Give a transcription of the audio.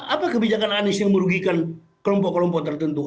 apa kebijakan anies yang merugikan kelompok kelompok tertentu